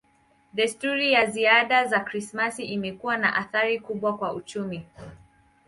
Desturi ya zawadi za Krismasi imekuwa na athari kubwa kwa uchumi.